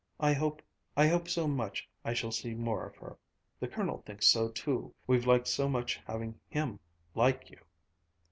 I hope I hope so much I shall see more of her. The Colonel thinks so too we've liked so much having him like you."